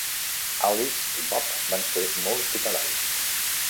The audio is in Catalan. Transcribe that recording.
Alice i Bob van ser molt hospitalaris.